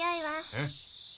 えっ？